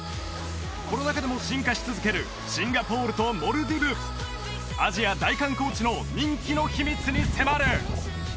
コロナ禍でも進化し続けるシンガポールとモルディブアジア大観光地の人気の秘密に迫る！